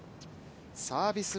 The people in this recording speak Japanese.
サービス